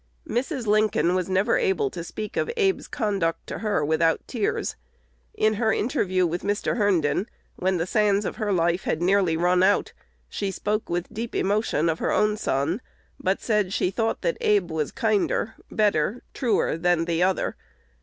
Mrs. Lincoln was never able to speak of Abe's conduct to her without tears. In her interview with Mr. Herndon, when the sands of her life had nearly run out, she spoke with deep emotion of her own son, but said she thought that Abe was kinder, better, truer, than the other.